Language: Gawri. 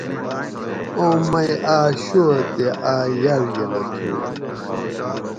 آم مئ آۤک شہو اۤ تے آۤک ای یاڔگۤلہ تھُو